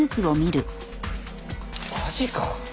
マジか！